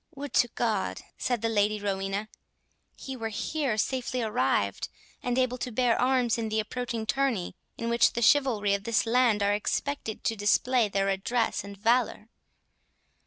"Would to God," said the Lady Rowena, "he were here safely arrived, and able to bear arms in the approaching tourney, in which the chivalry of this land are expected to display their address and valour.